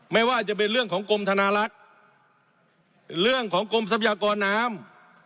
ไม่ว่าจะเป็นเรื่องของกรมธนาลักษณ์เรื่องของกรมทรัพยากรน้ำ